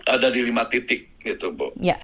ada di lima titik gitu bu